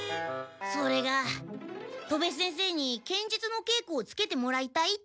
それが戸部先生に剣術のけいこをつけてもらいたいって。